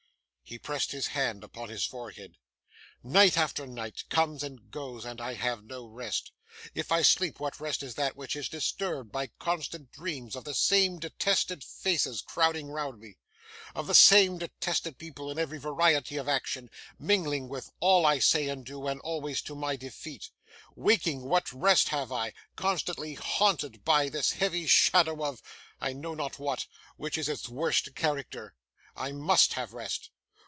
He pressed his hand upon his forehead. 'Night after night comes and goes, and I have no rest. If I sleep, what rest is that which is disturbed by constant dreams of the same detested faces crowding round me of the same detested people, in every variety of action, mingling with all I say and do, and always to my defeat? Waking, what rest have I, constantly haunted by this heavy shadow of I know not what which is its worst character? I must have rest.